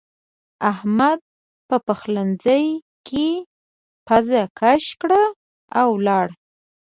احمد په پخلنځ کې پزه کش کړه او ولاړ.